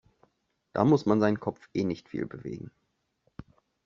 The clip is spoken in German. Da muss man seinen Kopf eh nicht viel bewegen.